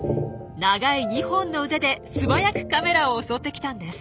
長い２本の腕で素早くカメラを襲ってきたんです。